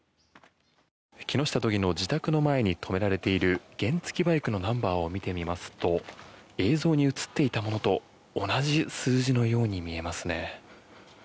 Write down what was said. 木下都議の自宅の前に止められている原付きバイクのナンバーを見てみますと映像に映っていたものと同じ数字のように見えますね。